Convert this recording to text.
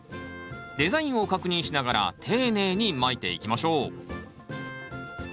デザインを確認しながら丁寧にまいていきましょう。